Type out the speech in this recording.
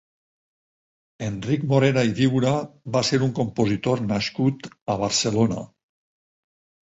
Enric Morera i Viura va ser un compositor nascut a Barcelona.